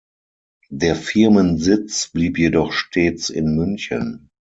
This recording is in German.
Der Firmensitz blieb jedoch stets in München.